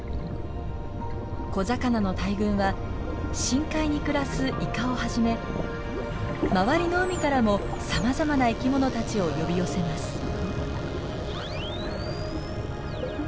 小魚の大群は深海に暮らすイカをはじめ周りの海からもさまざまな生きものたちを呼び寄せます。